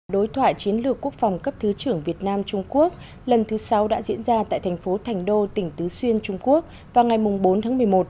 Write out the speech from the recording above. đối thoại chiến lược quốc phòng cấp thứ trưởng việt nam trung quốc lần thứ sáu đã diễn ra tại thành phố thành đô tỉnh tứ xuyên trung quốc vào ngày bốn tháng một mươi một